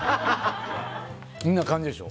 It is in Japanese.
こんな感じでしょ。